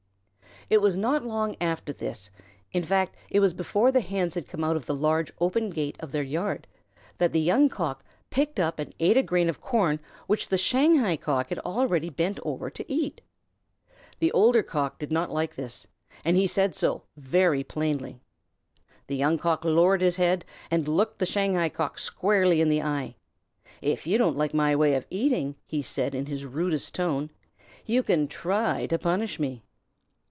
It was not long after this, in fact it was before the Hens had come out of the large open gate of their yard, that the Young Cock picked up and ate a grain of corn which the Shanghai Cock had already bent over to eat. The older Cock did not like this, and he said so very plainly. The Young Cock lowered his head and looked the Shanghai Cock squarely in the eye. "If you don't like my way of eating," he said in his rudest tone, "you can try to punish me."